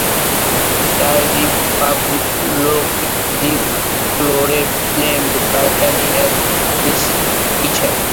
Sergey Pavlovich Korolev named Bartini as his teacher.